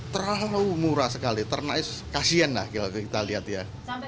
terlalu murah sekali ternaknya kasian lah kita lihat ya